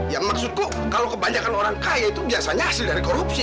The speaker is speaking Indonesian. yang maksudku kalau kebanyakan orang kaya itu biasanya hasil dari korupsi